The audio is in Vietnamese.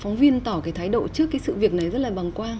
phóng viên tỏ cái thái độ trước cái sự việc này rất là bóng